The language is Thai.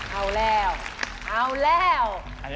เอาแล้ว